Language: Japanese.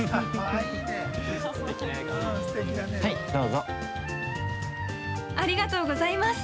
はい、どうぞ！